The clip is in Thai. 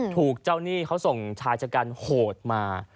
ถูกเจ้านี่เขาส่งชายจักรรม์โหดมา